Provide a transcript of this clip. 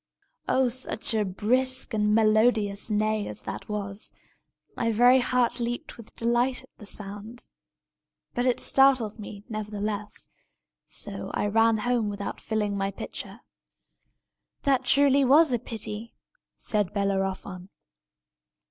Oh, such a brisk and melodious neigh as that was! My very heart leaped with delight at the sound. But it startled me, nevertheless; so that I ran home without filling my pitcher." "That was truly a pity!" said Bellerophon.